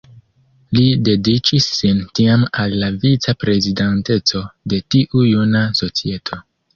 Li dediĉis sin tiam al la vica-prezidanteco de tiu juna societo.